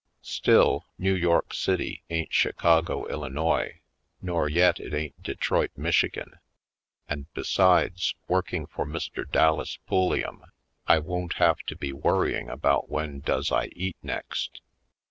Still, New York City ain't Chicago, Illi nois, nor yet it ain't Detroit, Michigan; and besides, working for Mr. Dallas Pulliam, I won't have to be worrying about when does I eat next.